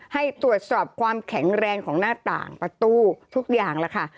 ให้ตรวจสอบความแข็งแรงของหน้าต่างประตูทุกอย่างแล้วค่ะ